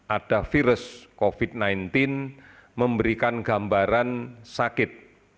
ada virus covid sembilan belas memberikan gambaran sakit